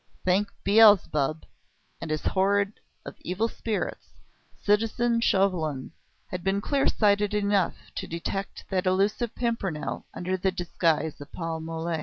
Thank Beelzebub and his horde of evil spirits, citizen Chauvelin had been clear sighted enough to detect that elusive Pimpernel under the disguise of Paul Mole.